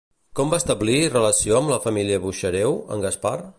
Com va establir relació amb la família Buxareu, en Gaspar?